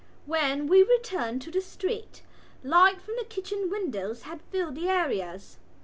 When we returned to the street light from the kitchen windows had filled the areas.